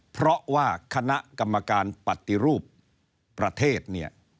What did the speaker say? เพราะว่าคณะกรรมการปฏิรูปประเทศเนี่ย